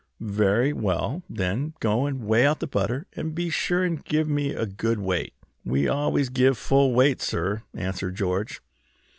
"Very well then, go and weigh out the butter and be sure and give me good weight." "We always give full weight, sir," answered George.